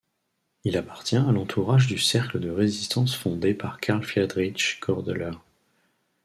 Il appartient à l'entourage du cercle de résistance fondé par Carl Friedrich Goerdeler.